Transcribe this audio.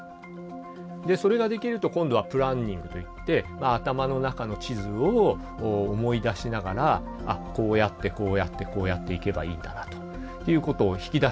でそれができると今度はプランニングといって頭の中の地図を思い出しながら「あっこうやってこうやってこうやって行けばいいんだな」ということを引き出してくる。